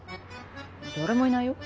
誰もいないよ。